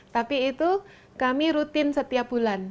tapi itu kami rutin setiap bulan